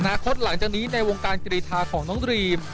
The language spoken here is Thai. คตหลังจากนี้ในวงการกรีธาของน้องดรีม